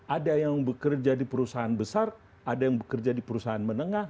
ada yang bekerja di perusahaan besar ada yang bekerja di perusahaan menengah